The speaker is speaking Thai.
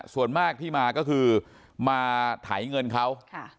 ส่วนมากที่มาก็คือมาถ่ายเงินเขาค่ะ